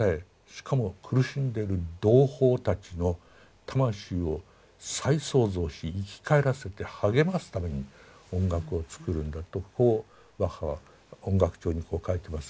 しかも苦しんでる同胞たちの魂を再創造し生き返らせて励ますために音楽を作るんだとこうバッハは音楽帳に書いてますが。